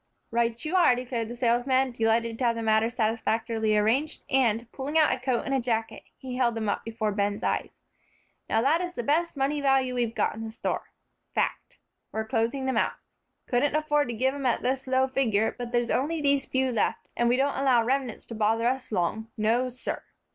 "Right you are," declared the salesman, delighted to have the matter satisfactorily arranged, and, pulling out a coat and jacket, he held them up before Ben's eyes. "Now that is the best money value we've got in the store. Fact. We're closing them out. Couldn't afford to give 'em at this low figure, but there's only these few left, and we don't allow remnants to bother us long, no, sir."